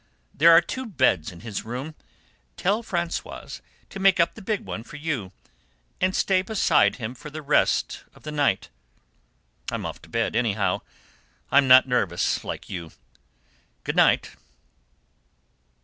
There are two beds in his room; tell Françoise to make up the big one for you, and stay beside him for the rest of the night. I'm off to bed, anyhow; I'm not nervous like you. Good night."